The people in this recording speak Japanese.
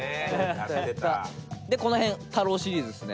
この辺太郎シリーズですね。